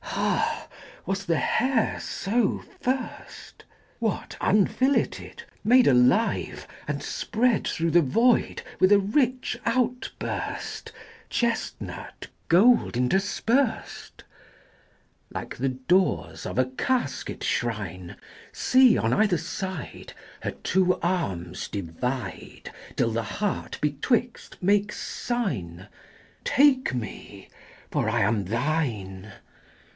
XXII. Ha! was the hair so first? What, unfilleted, Made alive, and spread Through the void with a rich outburst, Chestnut gold interspersed? XXTII. Like the doors of a casket shrine, See, on either side, Her two arms divide Till the heart betwixt makes sign, Take me, for I am thine!